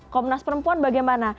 komnas perempuan bagaimana